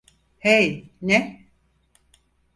Hey, ne?